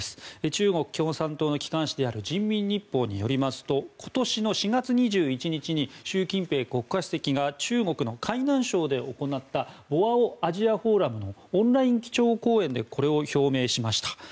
中国共産党の機関紙である人民日報によりますと今年の４月２１日に習近平国家主席が中国の海南省で行ったボアオ・アジアフォーラムのオンライン基調講演でこれを表明しました。